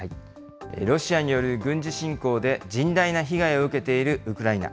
ロシアによる軍事侵攻で甚大な被害を受けているウクライナ。